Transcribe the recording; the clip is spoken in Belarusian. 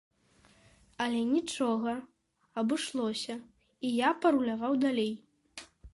Але нічога, абышлося, і я паруляваў далей.